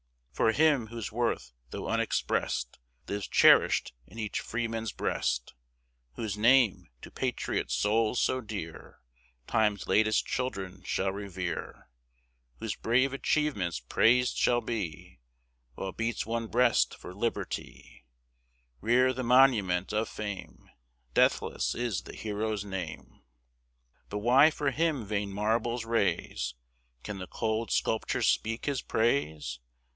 For him, whose worth, though unexpress'd, Lives cherish'd in each freeman's breast, Whose name, to patriot souls so dear, Time's latest children shall revere, Whose brave achievements praised shall be, While beats one breast for liberty; Rear the monument of fame! Deathless is the hero's name! But why for him vain marbles raise? Can the cold sculpture speak his praise?